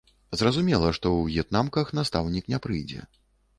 Зразумела, што ў в'етнамках настаўнік не прыйдзе.